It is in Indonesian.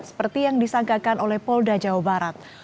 seperti yang disangkakan oleh polda jawa barat